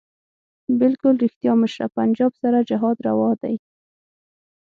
بلکل ريښتيا مشره پنجاب سره جهاد رواح دی